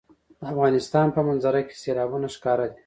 د افغانستان په منظره کې سیلابونه ښکاره ده.